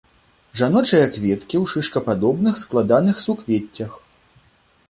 Жаночыя кветкі ў шышкападобных складаных суквеццях.